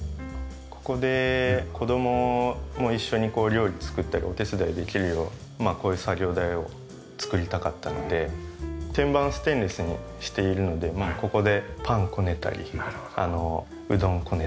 ここで子供も一緒に料理作ったりお手伝いできるようまあこういう作業台を作りたかったので天板ステンレスにしているのでここでパンこねたりうどんこねたり。